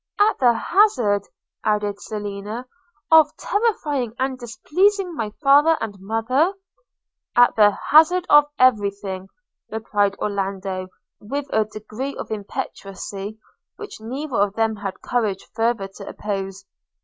– 'At the hazard,' added Selina, 'of terrifying and displeasing my father and mother?' – 'At the hazard of every thing!' replied Orlando, with a degree of impetuosity which neither of them had courage farther to oppose.